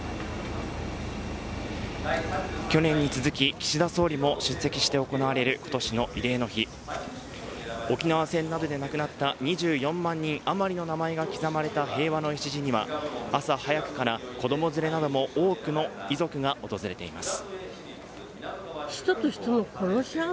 去年に続き、岸田総理も出席して行われる今年の慰霊の日沖縄戦などで亡くなった２４万人余りの名前が刻まれた平和の礎には朝早くから子供連れなど多くの遺族が訪れています。